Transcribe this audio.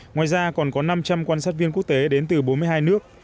ngoài ra còn có năm trăm linh quan sát viên quốc tế đến từ bốn mươi hai nước